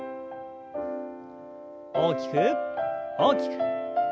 大きく大きく。